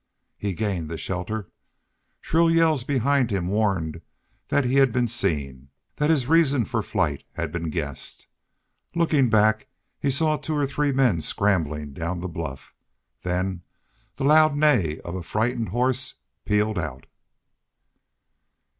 He gained the shelter. Shrill yells behind warned him that he had been seen, that his reason for flight had been guessed. Looking back, he saw two or three men scrambling down the bluff. Then the loud neigh of a frightened horse pealed out.